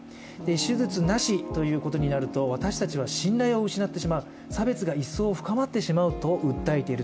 手術なしということになると私たちは信頼を失ってしまう差別が一層深まってしまうと訴えている。